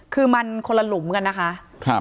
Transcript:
ที่มีข่าวเรื่องน้องหายตัว